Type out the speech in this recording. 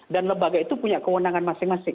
dan lembaga itu punya kewenangan masing masing